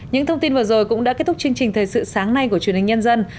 những thông tin vừa rồi cũng đã kết thúc chương trình thời sự sáng nay của truyền hình nhân dân